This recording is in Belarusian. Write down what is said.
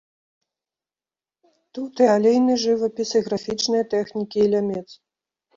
Тут і алейны жывапіс, і графічныя тэхнікі, і лямец.